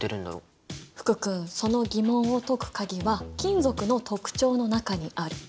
福君その疑問を解く鍵は金属の特徴の中にある！